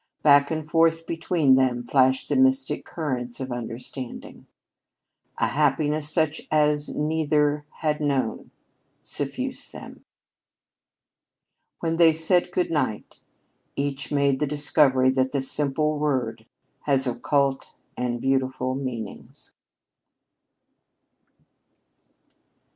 Back and forth between them flashed the mystic currents of understanding. A happiness such as neither had known suffused them. When they said "good night," each made the discovery that the simple word has occult and beautiful meanings.